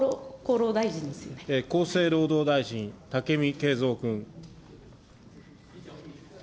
厚生労働大臣、武見敬三君。